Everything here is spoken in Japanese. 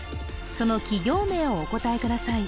その企業名をお答えください